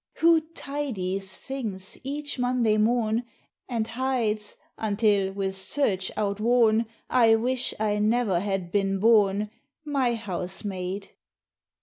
Who "tidies" things each Monday morn, And hides until, with search outworn, I wish I never had been born? My Housemaid.